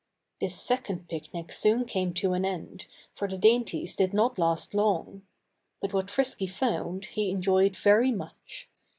This second picnic soon came to an end, for the dainties did not last long. But what Frisky found, he enjoyed very much.